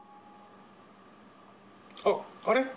あっ、あれ？